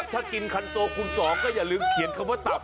ถ้ากินคันโซคูณ๒ก็อย่าลืมเขียนคำว่าตับ